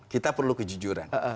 kita perlu kejujuran